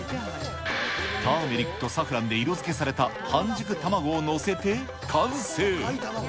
ターメリックとサフランで色付けされた半熟卵を載せて完成。